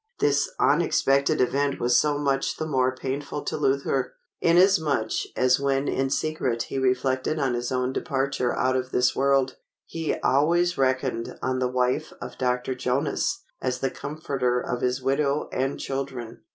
This unexpected event was so much the more painful to Luther, inasmuch as when in secret he reflected on his own departure out of this world, he always reckoned on the wife of Dr. Jonas as the comforter of his widow and children.